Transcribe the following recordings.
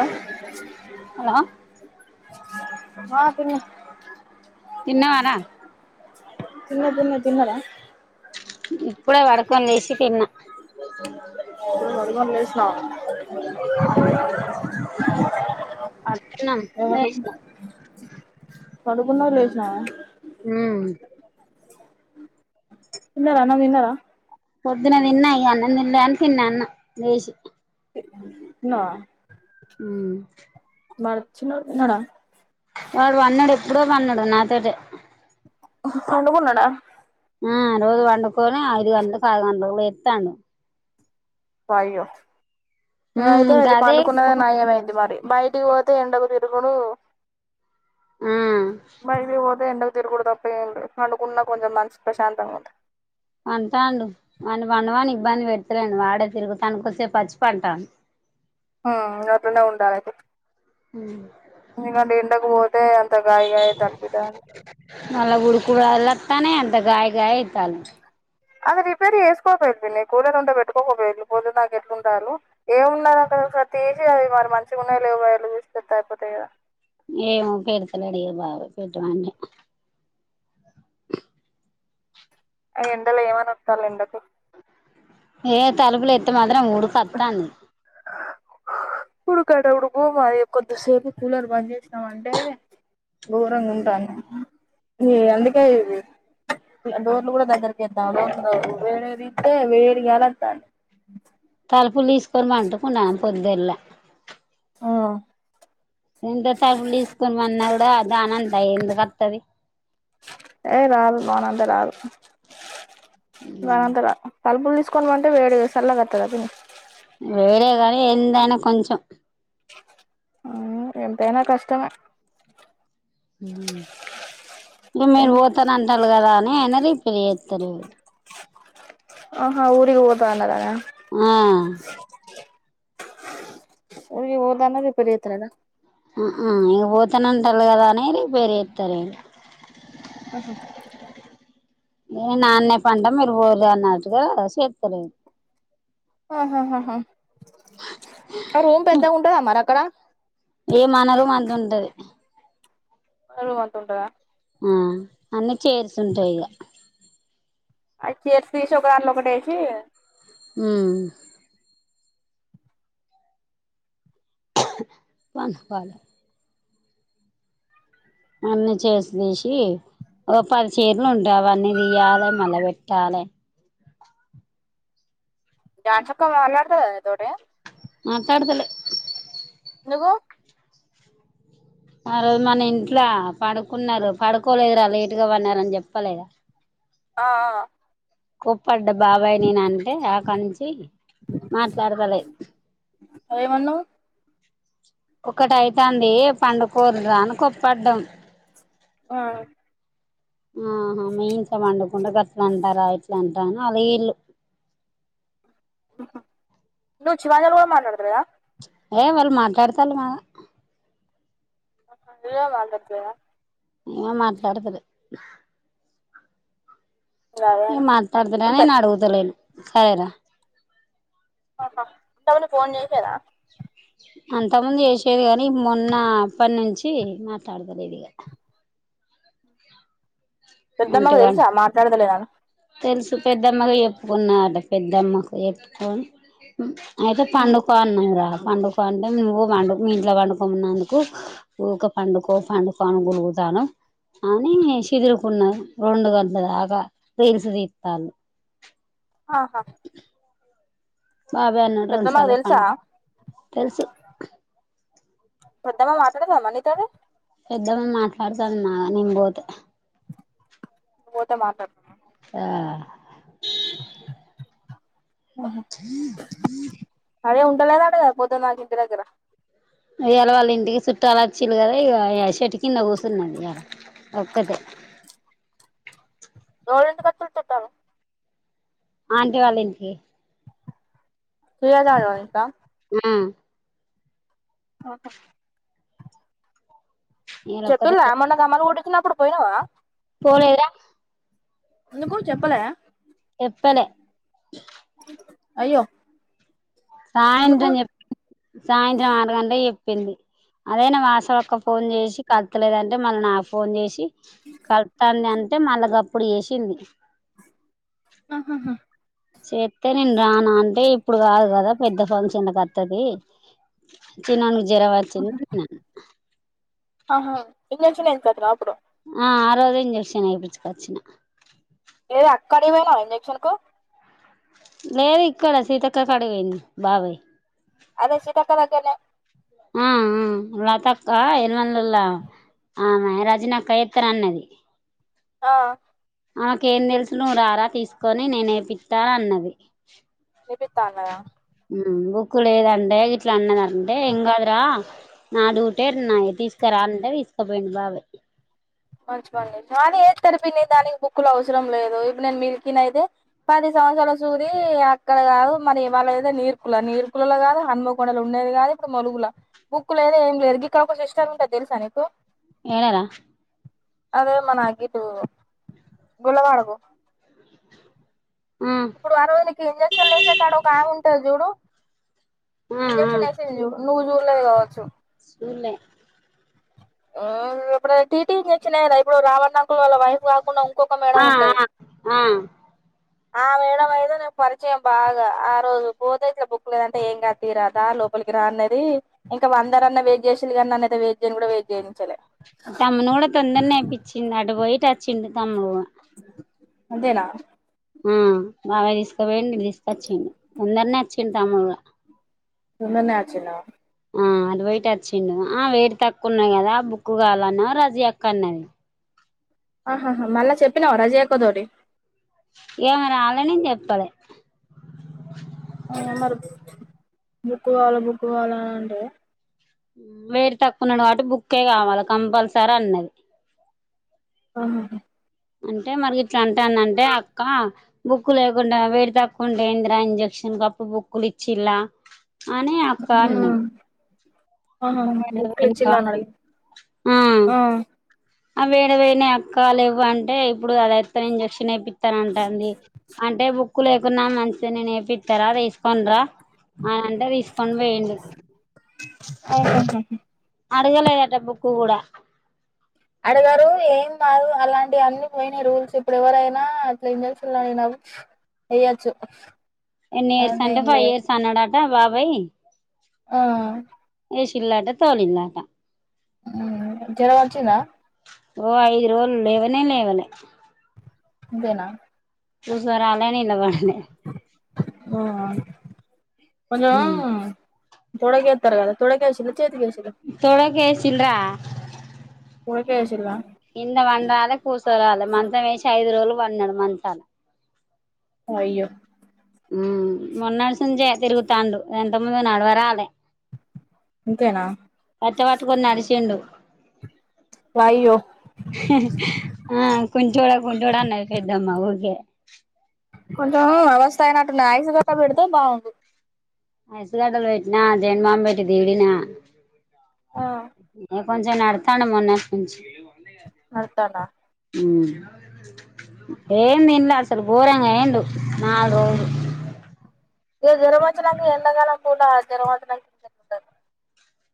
ఆ హలో హా ఆ తిన్న వోధు పో తిన్నావారా అమ్మ తిన్న తిన్న తిన్నరా ఇప్పుడే పడుకొని లేసి తిన్నా పడుకొని లేసిన తిన్నాం ఎ పండుకున్నావ్ లేసిన పడుకున్నావ్ లేస్ నా హ్మ్మ్ తిన్నారా అన్నం తిన్నారా పొద్దున తిన్నాం అన్నం తిన్నాన్ తిన్న అన్నం రైస్ వునా ఉమ్ మార్చి నోడ్ ఉన్నాడా వాడు పన్నడు ఎప్పుడో పన్నడు నాతోటే పండుకున్నాడా ఆ రోజు పండు కొని ఐదు గంటలకు, ఆరు గంటలకు లే తాండు అయ్యో మ్మ్ ఉమ్ అయితే ఇంకా అయితే అదే పండుకున్నది కోపం. నయమైంది మరి బయట ఇకపోతే ఎండకు తిరుగుడు ఆ మళ్ళీ ఓ ఎండకు తిరుగుడుదప్ప ఏం ఉండదు పనుకున్నా కొంచెం మనసు ప్రశాంతంగా ఉంటది అంటాండు వాణ్ణి పండవాని ఇబ్బంది పెడతలేను వాడే తిరుగుతాండు కోసేపు అలసి పడ్డాడు మ్మ్ లేకపోతే ఉంటాడా ఎండకు పో టే అంత గాయగాయ తప్పపిద మళ్ళ గుడుకుడలా వొత్తనే అంతా గాయి గాయి ఇత్తాల అది రిపేర్ చేసుకోకపోయిదు పిన్ని కూలర్ ఉంటే పెట్టుకోకపోయిద్దు పొద్దున్నదాక ఎట్లు ఉంటారు ఏము ఉన్న తీసి అవి మరి మంచిగా ఉన్నాయ లేవు వైర్లు చూసి పెడ్తే అయిపోతయి కదా ఏమో పెడుతున్నాడు ఇగ బావ పెట్టమంటే ఎండలో ఏమనోత్తారో ఎంగతో ఏ తలుపులు ఎత్ మను రం ఉడుకొత్తాంది ఉడుకంటే ఉడుకు మరి కొద్దిసేపు కూలర్ బంద్ చేద్దామంటే దూరంగా ఉంటాను అందుకే ఇ డోర్లు కూడా దగ్గరికేద్దామని వేడే తీత్తే తింటే వేడి గాలోత్తాంది తలుపులు తీసుకొని పండుకున్నాను పొద్దుల్లా ఆ ఎంత తలుపులు తీసుకొని మన్నా అ దానంతా ఇంటికొత్తది ఏ రాను పోనంటే రాను రానంట రా తలుపులు తీసుకోమంటే వేడి గా సల్లగొత్తద అది వేడే కానీ ఏం ఎండైనా కొంచెం ఎంతైనా కష్టమే హ్మ్మ్ ఇగ మీరు పోతారంటారు కదా అని అనిరి పలిచేతారచు ఆహా ఊరికి పోతా అన్నాగద ఆ ఊరిగ పోతా అన్నది ఇప్పుడు చెత్త లేదా ఇంక పోతనంటారు కదా అని రిపేరు చేస్తారుే ఆహా ఏ నాన్న్య పడుగ మీరు పోరు అన్నట్టుగా చేస్తారు ఆ హా హా హా ఆ రూమ్ పెద్దగా ఉంటదా మరి అక్కడ ఏ మన రూమ్ అంత ఉంటది కలువంతుంటదా ఆ అన్న చేర్స్తుంటాయి ఇక ఆ చైర్స్ తీసి ఒక దాంట్లో ఒకటేసి ఉమ్ పంపాల అన్నిీ చైర్స్ తీసి ఓ పది చైర్లుంటాయి అవన్నీ తీియాలి మళ్ళా పెట్టాలే జాన్స్ అక్క మాట్లాడతద మాట్లాడుతలె ఎందుకు ఆ రోజు మన ఇంట్లో పడుకున్నారు పడుకోలేదురా లేటు గా పన్నార చెప్పలేదా. ఆ కోప్పడ్డ బాబాయ్ నేన అంటే అక్నుంచి మాట్లాడతలే ఆ ఏమన్నావ్ ఒకటిైతాంది పండుకోరిరా అని కోప్పడ్డం ఆ ఆహా మేమిట్ల పండుకుంటే గట్లంటారా ఇట్లా అలా అలిగిర్రు ను శివానీల్ కూడా మాట్లాడతుయ ఏ వాళ్ళు మాట్లాడతారు మా నువ్వే మాట్లాతలేదా ఏ మాట్లాడతలే గదే న మాటడుతలేను అని అంతే నేను అడుగుతలేను సాయిరా హా టోనూ ఫోన్ చేసరా అంత ముందు చేసేది కాని మొన్న అప్పటి నుంచి మాట్లాడతా లేదు ఇగా పెద్దమ్మకు ఒంటిగాని తెలుసా మాట్లాడదలేదనీ తెలుసు పెద్దమ్మగు చెప్పుకున్నడు పెద్దమ్మకు చెప్పుకొని అయితే పండుకో అన్నారా పండుకో అంటే నువ్వు వండు మీ ఇంట్లో వండుకున్నందుకు ఊకే పండుకో పండుకో అను గొనుగుతున్నావ్ అని చిగురు. పన్న రెండు గంటల దాక రీల్స్ తిల్తాలు ఆహా బాబాయ్ అన్నాడు రెండు పెద్దమ్మకు సార్లు పం తెలుసా తెలుసు పెద్దమ్మ మాట్లాడతదా మరి నీతోని పెద్దమ్మ మాట్లాడుతాంది మా నేను పోత నువ్వుపోతవ పెద్దమ్మ ఆ హ అదే ఉండలేదంట గా పొద్దున ఇంటి దగ్గర వేళ వాళ్ళ ఇంటికి చుట్టాలు వచ్చిరు కదా. ఇ చెట్టు కింద కూర్చున్నది ఇలా ఒక్కటి. గోవిందు వచింతాడ ఆంటి వాళ్ళ ఇంటికి తూయదడ పోయిర్రా ఆ ఆహ ఇయాల ఒక్కతే చెప్పిల్లా మన్నా తమ్మారు గూడ చిన్నప్పుడు పోయినావా పోలేదా ఎందుకు చెప్పలే చెప్పలే అయ్యో ఎందుకు సాయంత్రం చెప్ప సాయంత్రం ఆరు గంటలకి చెప్ చెప్పింది అదైనా వాసవ ఒక్క ఫోన్ చేసి కల తలేదంటే మళ్ళ నాకు ఫోన్ చేసి కలుతాంది అంటే మలగప్ప ఇప్పుడు చేసింది ఆహాహా చేస్తే నేను రాను అంటే ఇప్పుడు కాదు కదా పెద్ద ఫంక్షన్ కు వతది చిన్ననికి జరవా తుందిన్నాను ఆహ ఇన్న చేసిన ఎంత కా అప్పుడు ఆ ఆరవదే ఇంజెక్షన్ ఎపిచికచ్చినా ఏది అక్కడ వేనా ఇంజెక్షన్ కు లేదు ఇక్కడ సీతక్క కడికి పోయింది బాగాయింది అదే సీతక్క దగ్గరనే ఆ ఆ లతక్క ఎరుమనలల ఆమా రజినక్క ఏత్తర అన్నది ఆ నాకేం తెలుసు నువ్వు రారా తీసుకొని నేనేపిత్తాను అన్నది ఎపిత్త అన్నదా బుక్కు లేదంటే ఇట్లా అన్నదంటే ఏం కాదురా నా డు టే నా తీసుకురా అంటే తీసుక్ స పోయిను బాబ మంచి పని అయింది కానీ, దానికి బుక్కులు అవసరం లేదు ఇప్పుడు. నేను మీకిన అయితే పది సంవత్సరలు సూది అక్కడ కాదు, మరి వాళ్ళ అయితే నీర్కుల నీర్కులలో కాదు. హన్మకొండలు ఉండేది కాదు, ఇప్పుడు మలుగుల బుక్కులు అయితే ఏం లేదు, ఇక్కడ ఒక సిస్టర్ ఉంటది. తెలుసా నీకు ఏడ రా అదే మన గిట్టు గులబ అడగు ఆ ఇప్పుడు ఆ రోజుకి ఇంజెక్షన్లు వేసే కాడ ఒక అమ్మే ఉంటాది చూడు ఆ ఇంజెక్షన్ వేసింది చూడు కావచ్చు సూల్ ఆ ఇప్పుడు టీటీ ఇంజెక్షన్ ఇప్పుడు రావన్నా వాళ్ళ వైఫ్ కాకుండా ఇంకొక మేడం ఆ ఉంటది ఆ ఆ ఆ మేడ అయితే నాకు పరిచయం బాగా ఆ రోజు పోతే ఇట్లా బుక్ లేదంటే ఏం కాదు తీరాదా రా లోపలికి రా అన్నది ఇంకా అందరన్నా వెయిట్ చేసిరి కానీ నన్నతే నేను కూడా వెయిట్ చేయను తమను కూడా తొందర నేపించింది అటు పోయి [unintelligible] అంతేనా ఆ [unintelligible] ఇ వెేడి [unintelligible] తీసుకొచ్చి తొందరనే తింటా మల్ల తొందర్నే ఆచ్చిన ఆ అటు పోయి ఇట వచ్చిండు ఆ వేడి తక్కు ఉన్నాయి కదా బుక్కు కావాలన్న రజీ అక్క అన్నది ఆహహా మళ్ళా చెప్పినావా రజియా అక్క్తోటి ఏమ రాలని నేను చెప్పాలి ె మరీ బుక్ కావాలి బుక్ కావాల అంటే వేరు తక్కువన్నాడు కాబట్టి బుక్కే కావాలి కంపల్సరీ అన్నది ఆహా అంటే మరి ఇట్లా అంటాందంటే అక్క బుక్కు లేకుండా వెయిట్ తక్కువ ఉంటే ఏందిరా ఇంజక్షన్కిప్పుడు బుక్కులు ఇచ్చిలా అనీ అక్క అన్నది ఆహా బుక్ వచ్చలాగి ఆ ఆ వేడి వే అక్క లేవు అంటే ఇప్పుడు అద అయితే ఇంజెక్షన్ అయి [unintelligible] అంటే బక్ [unintelligible] లేకున్నా మంచిగా నే నేపిట్టారా తీసుకోనీ రా అని అంటే తీసుకోని పోయిండు ఆహా హ అడగలేదట బుక్కు కూడా అడగారు ఏం మారు అలాంటి అన్ని పోయిన రూల్స్ ఇప్పుడు ఎవరైనా అట్లా ఇంజెక్షన్ [unintelligible] వయ్యచ్చు ఎనీ ఇయర్స్ అంట ఫైవ్ ఇయర్స్ అన్నడా [unintelligible] బాబాయ్ ఆ ఎషిలంట తొలి అంట జరం వచ్చిందా ఓ ఐదు రోజులు లేవనే లేవలే ఇదేనా జ్వరాలు ఊ ఉమ్ కొంచంము తొడకు ఎతారు కదా, తొడకేశిల్ల, చేతికి ఎషిరా, తీనరా కింద పండ రాలే కుసో రాలే మంచమేసి ఐదు రోజులు, పన్నెడు మంచాల అయ్యో. హు మొన్నటి సూచ్చే, తిరుగుతాండు. అంతకు ముందు నడవ రాలే. ఇంతేనా కట్టే పట్టుకొని నడిసిండు. అయ్యో ఆ కుంటోడా కుంటోడా అన్నది పెద్దమ్మ. ఊకె. కొంచెం అవస్థ అయినట్టున్నాది. ఐస్ గడ్డ పెడితే బాగుండు. ఐసు గడడ్డలు పెట్టినా. జన్మాంబెట్టి తీడినా. ఆ [inaudible] కొంచెం నడతాడు. మొన్నటి నుంచి, నడతాండ. ఉమ్ ఏం తినలే అసలు. ఘోరంగా అయిండు. నాలుగు రోజులు. ఇగ జర్వం వచ్చినంకా ఎండకాలం పూట జ్వరం వచ్చి కా,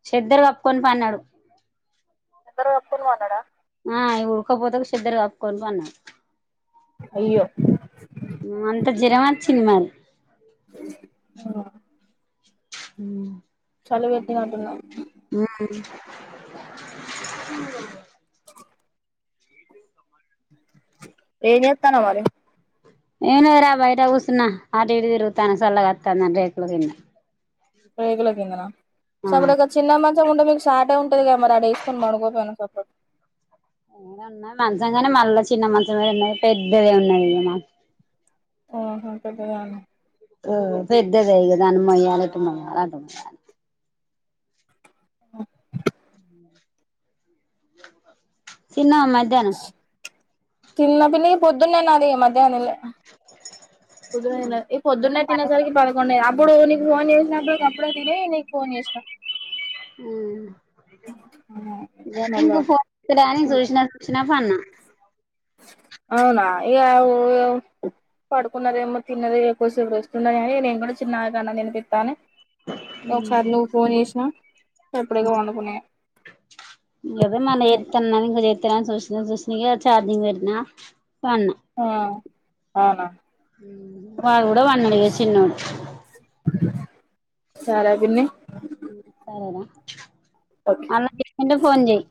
చెద్దరు కప్పుకొని పన్నాడు. చెద్దరు కప్పుకొని పన్నాడా. ఆ ఉడకపోతే చెద్దరు. కప్పుకొని పన్నడు, అయ్యో అంత జ్వరం వచ్చి, వచ్చింది మరి, ఆ హు చలి పెట్టినట్టున్న, హు ఏం చెత్తనావ్ మరి. ఏం లేదురా బయట కూసున్నా. అటు ఇటు తిరుగుతాను సల్లగ అత్తాంది. అని రేకులకిింద, రేకులాకిందనా. సప్పుడుజెక చిన్న మంచం. ఉంటే మీకు చాట. ఇగా మరి ఆడ వేసుకొని, పడుకోపోయినవ్ సప్ ఏ ఉన్నాయ్ మంచం కానీ, మళ్ళా చిన్న మంచం ఎడా ఉన్నది. పెద్దదే ఉన్నది. గా మా ఆహా పెద్దదే ఉందా, ఆ పెద్దదే ఇగ దాన్ని మోయాలి. ఇటు మోయాలా అటు మోయాలా. తిన్నావా మధ్యానం, తిన్న పిన్ని పొద్దున్నే. నాది మధ్యాహ్నం తినలే. ఆ ఈ పొద్దున్నే తినేసరికి పదకొండుయె ఇప్పుడు నీకు ఫోన్ చేసినప్పుడు అప్పుడే తిని నీకు ఫోన్ చేసిన ఉ మళ్ళా ఫోన్ [unintelligible] చూసినా చూసిన పన్నా. అవునా. ఇగ పడుకున్నదెమో తిన్నది కొద్దిసేపు రెస్ట్ ఉండని అని. నేను కూడా చిన్నామెకు అన్నం తినిపిత్తాని ఒకసారి నువ్ ఫోన్ చేసినా సప్పుడేక పండుకున్న ఇగ అవే మన్న పండుకున్న ఎత్తన్నా ఇంక ఎత్తలేదని చూస్ ఇగ చూసినయే చార్జింగ్ పెట్టిన ఆ అవునా తాగు వాణ్ణి ఏసిన్ను సాలయిపోయింది. హ్మ్ సరేరా ఓకే అన్నకి ఇత్తనే ఫోన్ చెయ్